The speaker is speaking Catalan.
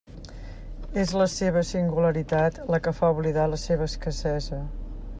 És la seva singularitat la que fa oblidar la seva escassesa.